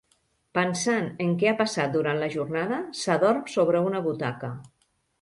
Pensant en què ha passat durant la jornada, s'adorm sobre una butaca.